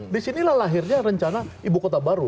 disinilah lahirnya rencana ibu kota baru